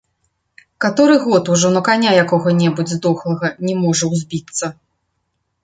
Каторы год ужо на каня якога-небудзь здохлага не можа ўзбіцца.